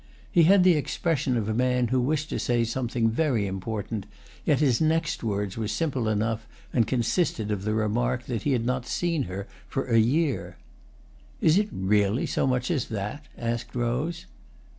He had the expression of a man who wished to say something very important; yet his next words were simple enough and consisted of the remark that he had not seen her for a year. "Is it really so much as that?" asked Rose.